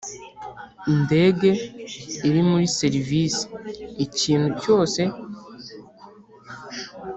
Ndege iri muri serivisi ikintu cyose